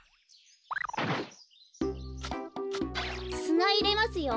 すないれますよ。